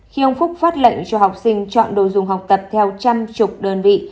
khi ông phúc phát lệnh cho học sinh chọn đồ dùng học tập theo trăm chục đơn vị